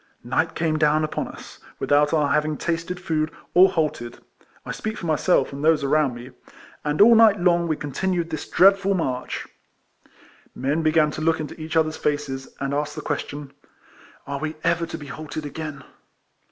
Night came down upon us, without our having tasted food, or halted — I speak for myself, and those around me — and all night long we RIFLEMAN HARRIS. 165 continued this dreadful march. Men began to look into each other's faces, and ask the question " Are we ever to be halted again?